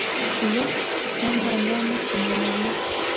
په لوست هم بنده نه ستومانوي.